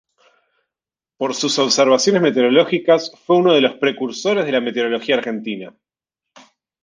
Por sus observaciones meteorológicas fue uno de los precursores de la Meteorología argentina.